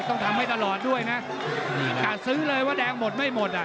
ต้องทำให้ตลอดด้วยนะกะซื้อเลยว่าแดงหมดไม่หมดอ่ะ